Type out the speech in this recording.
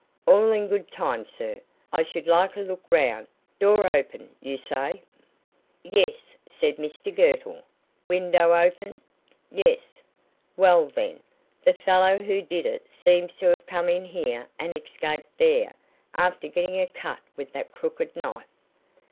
"All in good time, sir. I should like a look round. Door open, you say?" "Yes," said Mr Girtle. "Window open?" "Yes." "Well, then, the fellow who did it seems to have come in here and escaped there, after getting a cut with that crooked knife."